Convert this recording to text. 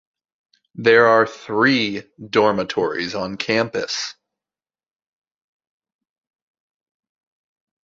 There are three dormitories on campus.